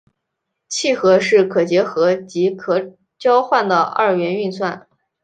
楔和是可结合及可交换的二元运算。